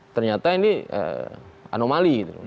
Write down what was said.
ternyata ini anomali